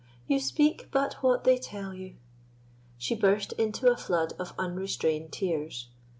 you speak but what they tell you" she burst into a flood of unrestrained tears.